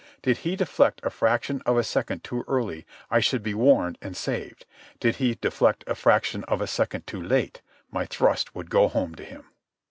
Did he deflect a fraction of a second too early, I should be warned and saved. Did he deflect a fraction of a second too late, my thrust would go home to him.